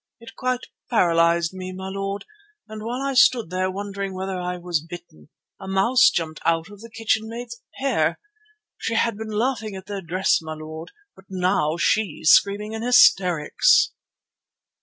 It quite paralysed me, my lord, and while I stood there wondering whether I was bitten, a mouse jumped out of the kitchenmaid's hair. She had been laughing at their dress, my lord, but now she's screaming in hysterics."